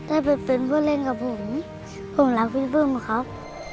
ได้เป็นเพื่อเล่นกับผมผมรักพี่ปื้มครับ